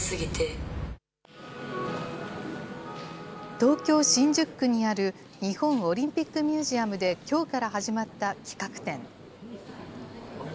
東京・新宿区にある日本オリンピックミュージアムできょうから始まった企画展。